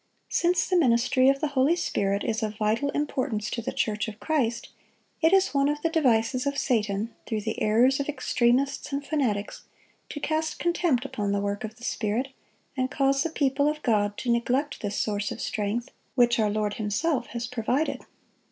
Since the ministry of the Holy Spirit is of vital importance to the church of Christ, it is one of the devices of Satan, through the errors of extremists and fanatics, to cast contempt upon the work of the Spirit, and cause the people of God to neglect this source of strength which our Lord Himself has provided.